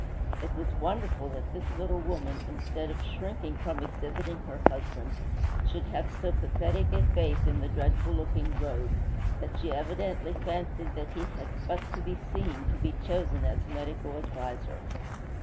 It was wonderful that this little woman, instead of shrinking from exhibiting her husband, should have so pathetic a faith in the dreadful looking rogue that she evidently fancied that he had but to be seen to be chosen as medical adviser.'